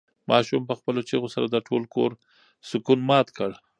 ماشوم په خپلو چیغو سره د ټول کور سکون مات کړ.